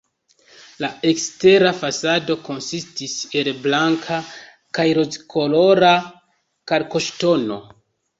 La ekstera fasado konsistis el blanka kaj rozkolora kalkoŝtono.